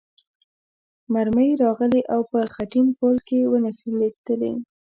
مرمۍ راغلې او په خټین پل کې ونښتلې.